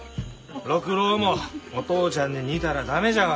六郎もお父ちゃんに似たら駄目じゃわい。